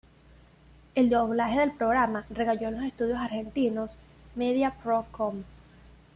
El doblaje del programa recayó en los estudios argentinos Media Pro Com.